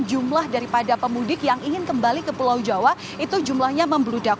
jumlah daripada pemudik yang ingin kembali ke pulau jawa itu jumlahnya membeludak